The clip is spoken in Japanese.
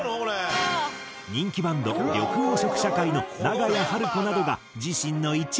人気バンド緑黄色社会の長屋晴子などが自身の１位に選出。